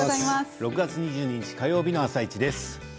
６月２２日火曜日の「あさイチ」です。